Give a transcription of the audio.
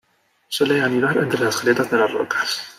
Suele anidar entre las grietas de las rocas.